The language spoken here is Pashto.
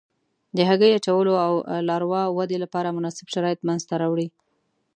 د هګۍ اچولو او لاروا ودې لپاره مناسب شرایط منځته راوړي.